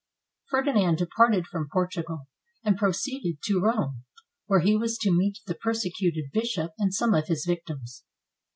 ] Ferdinand departed from Portugal, and proceeded to Rome, where he was to meet the persecuted bishop and some of his victims.